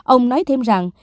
ông nói thêm rằng